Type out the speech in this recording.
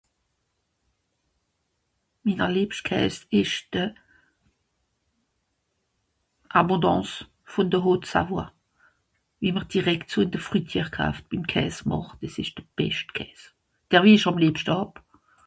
Minner lìebscht Käs ìsch de Abondance vùn de Haute-Savoie. Ìmmer direkt so ìn de Fruitière kaaft, wie Käs màcht. Dìs ìsch de bescht Käs. Der wie ìch àm lìebschte hàb.